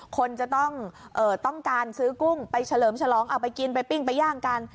คนจะต้องการซื้อกุ้งไปเฉลิมฉลองเอาไปกินไปปิ้งไปย่างกัน